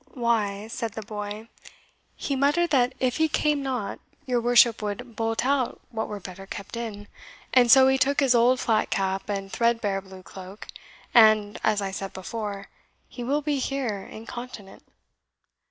"Why," said the boy, "he muttered that if he came not your worship would bolt out what were better kept in; and so he took his old flat cap, and threadbare blue cloak, and, as I said before, he will be here incontinent."